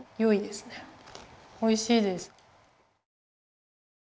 おいしいです。